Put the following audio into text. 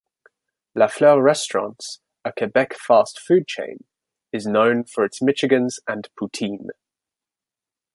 Lafleur Restaurants, a Quebec fast food chain, is known for its Michigans and poutine.